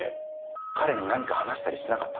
彼に何か話したりしなかった？